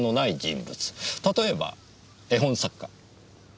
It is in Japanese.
例えば絵本作家。